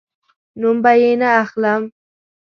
نوم به یې نه اخلم